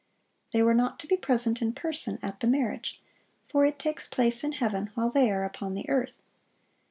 They were not to be present in person at the marriage; for it takes place in heaven, while they are upon the earth.